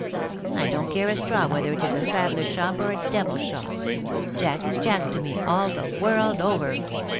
I don't care a straw whether it is a saddler's shop, or a devil's shop. Jack is Jack to me, aU the world over."